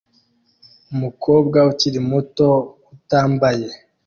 Umukobwa ukiri muto utambaye